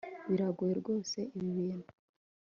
biragoye rwose ibi bintu